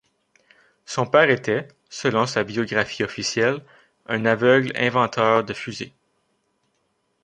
Son père était, selon sa biographie officielle, un aveugle inventeur de fusées.